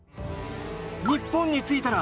日本に着いたら